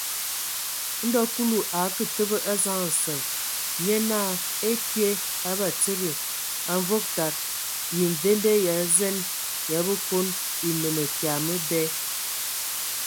Ndo Kulu a akǝ təbǝ a zaŋ nsəŋ, nye naa: Ekye A Batsidi, a Mvog tad, yə mvende Ya zen ya a Bekon e no mǝkya məbɛ?